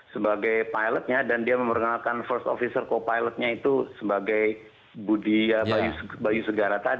sebagai pilotnya dan dia memperkenalkan first officer co pilotnya itu sebagai budi bayu segara tadi